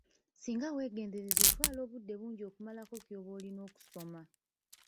Singa weegendereza otwala obudde bungi okumalako ky'oba olina okusoma.